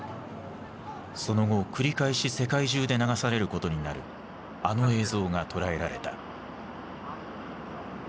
その後繰り返し世界中で流されることになるあの映像が捉えられた。